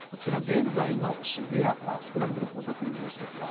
現在の渋谷スクランブル交差点の様子ですが。